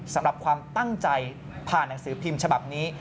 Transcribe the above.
สำหรับความตั้งใจผ่านหนังสือพิมพ์ฉบับนี้